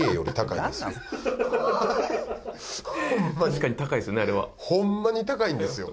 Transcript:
確かに高いっすね